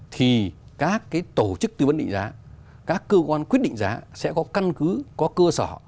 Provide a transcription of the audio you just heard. thì các cái tổ chức tư vấn định giá các cơ quan quyết định giá sẽ có căn cứ có cơ sở